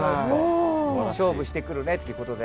「勝負してくるね」ってことで。